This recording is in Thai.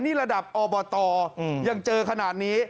นี่ระดับอบตยังเจอขนาดนี้